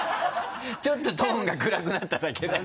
ちょっとトーンが暗くなっただけだよ